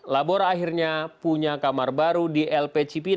labora akhirnya punya kamar baru di lp cipinang